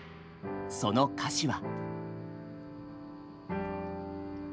その歌詞は。